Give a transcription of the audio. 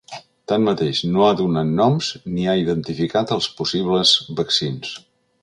Tanmateix, no ha donat noms ni ha identificat els possibles vaccins.